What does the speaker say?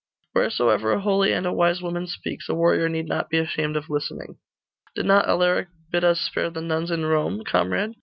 'Wheresoever a holy and a wise woman speaks, a warrior need not be ashamed of listening. Did not Alaric bid us spare the nuns in Rome, comrade?